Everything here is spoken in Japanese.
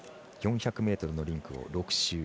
４００ｍのリンクを６周。